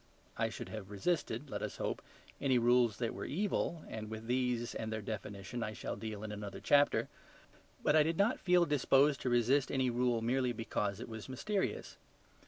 I should have resisted, let us hope, any rules that were evil, and with these and their definition I shall deal in another chapter. But I did not feel disposed to resist any rule merely because it was mysterious.